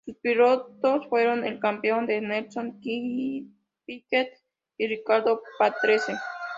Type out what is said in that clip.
Sus pilotos fueron el campeón de Nelson Piquet y Riccardo Patrese.